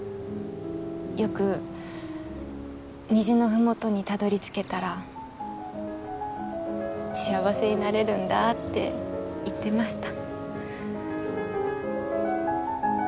よく虹の麓にたどり着けたら幸せになれるんだって言ってました。